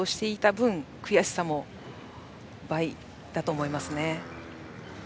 分悔しさも倍だと思います。